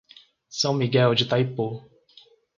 São Miguel de Taipu